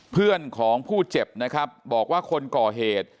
เพื่อนของผู้เจ็บนะครับบอกว่าคนก่อเหตุ